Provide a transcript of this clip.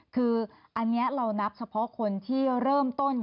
คืออันนี้เรานับเฉพาะคนที่เริ่มต้น